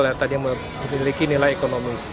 yang memiliki nilai ekonomis